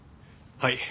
はい。